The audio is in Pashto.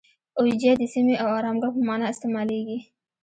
اویجه د سیمې او آرامګاه په معنی استعمالیږي.